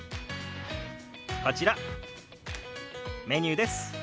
こちらメニューです。